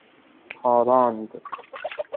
خاراند